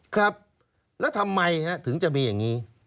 ครับแล้วทำไมถึงจะมีอย่างนี้